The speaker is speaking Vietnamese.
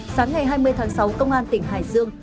sáng ngày hai mươi tháng sáu công an tỉnh hải dương